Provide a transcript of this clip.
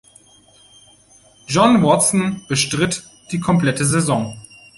John Watson bestritt die komplette Saison.